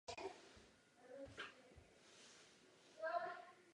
Tato část neobsahuje adaptace detektivních příběhů napsaných pod pseudonymem Patrick Quentin.